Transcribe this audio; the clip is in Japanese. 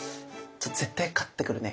絶対勝ってくるね！